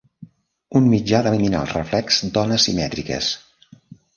Un mitjà d'eliminar el reflex d'ones simètriques.